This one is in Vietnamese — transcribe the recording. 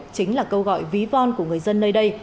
chính là câu gọi ví von của người dân nơi đây